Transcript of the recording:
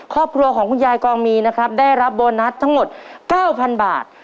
ครอบครัวของคุณยายกองมีนะครับได้รับโบนัสทั้งหมด๙๐๐บาท